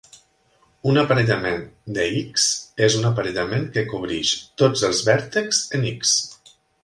Un aparellament de "X" és un aparellament que cobreix tots els vèrtexs en "X".